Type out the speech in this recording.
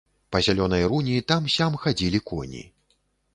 Па зялёнай руні там-сям хадзілі коні.